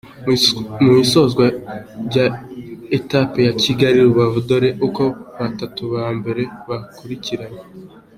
Mu isozwa rya etape Kigali Rubavu, dore uko batatu ba mbere bakurikiranye;.